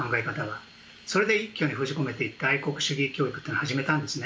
それで一挙に封じ込めていて愛国主義教育というのを始めたんですね。